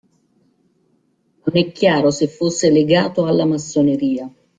Non è chiaro se fosse legato alla Massoneria.